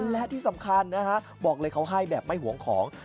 และที่สำคัญนะฮะบอกเลยเขาให้แบบไม่ห่วงของ